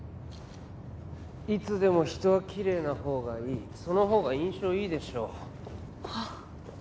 いつでも人はきれいなほうがいいそのほうが印象いいでしょはあ？